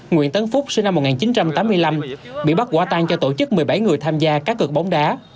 nguyễn tấn phúc sinh năm một nghìn chín trăm tám mươi năm bị bắt quả tan cho tổ chức một mươi bảy người tham gia các cực bóng đá